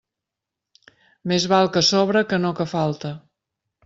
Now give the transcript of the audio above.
Més val que sobre que no que falte.